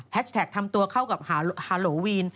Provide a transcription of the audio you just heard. แท็กทำตัวเข้ากับฮาโหลวีน